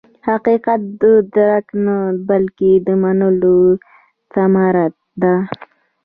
حقیقت د درک نه، بلکې د منلو ثمره ده.